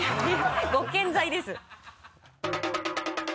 ご健在です。